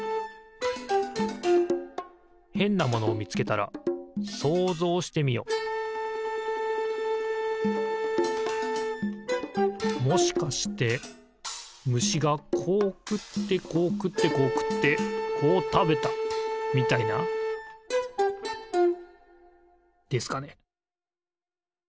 へんなものをみつけたらもしかしてむしがこうくってこうくってこうくってこうたべた！みたいな。ですかね。